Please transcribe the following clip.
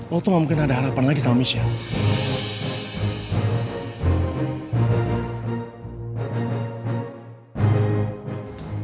lo tuh gak mungkin ada harapan lagi sama michelle